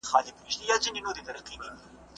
مديريت د زغم او عقل غوښتنه کوي.